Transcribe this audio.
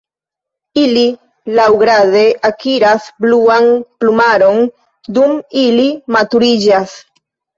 Ili laŭgrade akiras bluan plumaron dum ili maturiĝas.